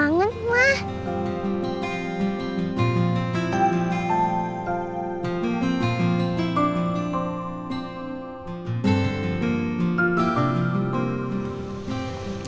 wah bagus banget mak